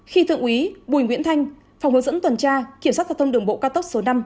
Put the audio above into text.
khi thượng úy bùi nguyễn thanh phòng hướng dẫn tuần tra kiểm soát giao thông đường bộ cao tốc số năm